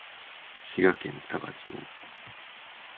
滋賀県多賀町